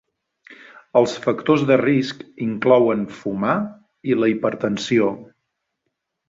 Els factors de risc inclouen fumar i la hipertensió.